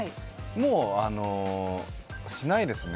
もう、しないですね。